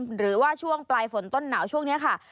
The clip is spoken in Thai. หรือว่าช่วงปลายฝนต้นหนาวช่วงนี้ค่ะ